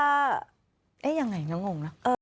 เอ๊ะอย่างไรน้ององค์ล่ะ